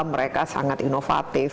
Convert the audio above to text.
mereka sangat inovatif